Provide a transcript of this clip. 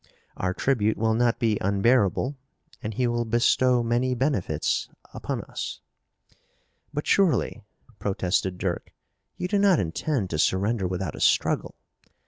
Our tribute will not be unbearable, and he will bestow many benefits upon us." "But surely," protested Dirk, "you do not intend to surrender without a struggle!